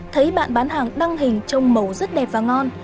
thấy bạn bán hàng đăng hình trông màu rất đẹp và ngon